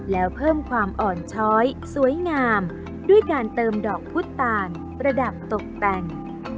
แล้วเพิ่มความอ่อนช้อยสวยงามด้วยการเติมดอกพุทธตาลประดับตกแต่ง